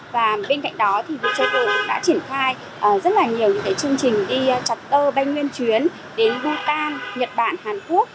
và bên cạnh đó thì vietjetle cũng đã triển khai rất là nhiều những cái chương trình đi chặt tơ bay nguyên chuyến đến bhutan nhật bản hàn quốc